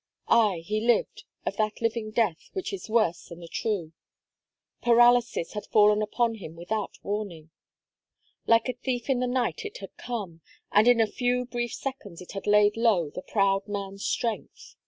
Ay, he lived, of that living death, which is worse than the true. Paralysis had fallen upon him without warning. Like a thief in the night it had come; and in a few brief seconds it had laid low the proud man's strength.